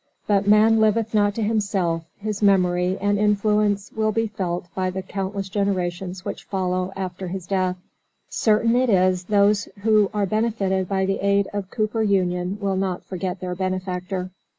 But man liveth not to himself, his memory and influence will be felt by the countless generations which will follow after his death. Certain it is those who are benefited by the aid of "Cooper Union" will not forget their benefactor.